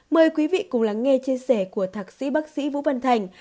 mời quý vị cùng lắng nghe chia sẻ của thạc sĩ bác sĩ vũ văn thành